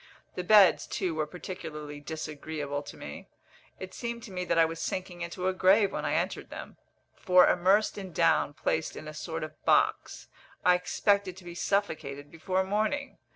The beds, too, were particularly disagreeable to me. It seemed to me that I was sinking into a grave when I entered them; for, immersed in down placed in a sort of box, I expected to be suffocated before morning.